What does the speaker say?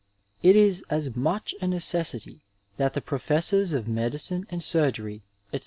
It is as much a necessity that the professors of medicine and surgery, etc.